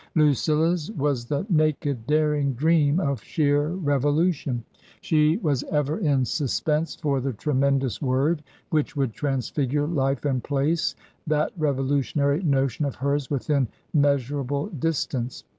Lucilla's was the naked, daring dream of sheer revolution. She TRANSITION. 151 was ever in suspense for the tremendous word which would transfigure life and place that revolutionary notion of hers within measurable distance.